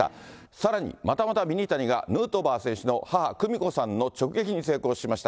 さらにまたまたミニタニがヌートバー選手の母、久美子さんの直撃に成功しました。